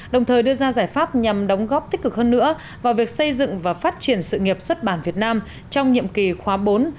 đồng thời đưa ra giải pháp nhằm đóng góp tích cực hơn nữa vào việc xây dựng và phát triển sự nghiệp xuất bản việt nam trong nhiệm kỳ khóa bốn hai nghìn một mươi bảy hai nghìn hai mươi hai